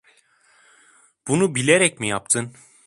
Bunu bilerek mi yaptın?